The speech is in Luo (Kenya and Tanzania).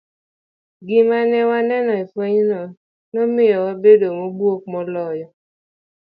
Gima ne waneno e fwenyno nomiyo wabedo mobuok moloyo.